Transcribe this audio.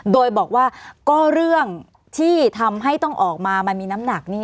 โดยบอกว่าก็เรื่องที่ทำให้ต้องออกมามันมีน้ำหนัก